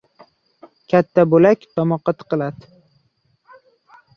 • Katta bo‘lak tomoqqa tiqiladi.